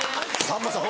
さんまさん